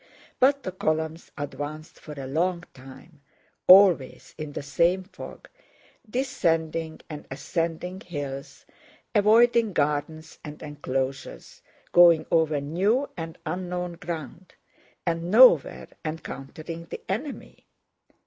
But the columns advanced for a long time, always in the same fog, descending and ascending hills, avoiding gardens and enclosures, going over new and unknown ground, and nowhere encountering the enemy.